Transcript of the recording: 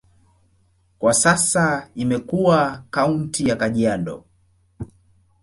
Kwa sasa imekuwa kaunti ya Kajiado.